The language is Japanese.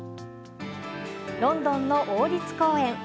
ロンドンの王立公園。